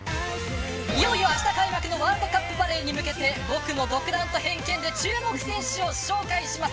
いよいよあした開幕のワールドカップバレーに向けて僕の独断と偏見で注目選手を紹介します。